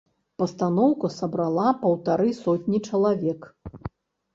Пастаноўка сабрала паўтары сотні чалавек.